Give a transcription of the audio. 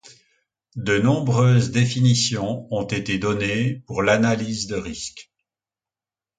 De nombreuses définitions ont été données pour l'analyse de risque.